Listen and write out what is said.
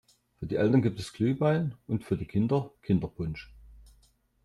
Für die Eltern gibt es Glühwein und für die Kinder Kinderpunsch.